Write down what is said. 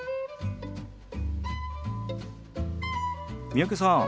三宅さん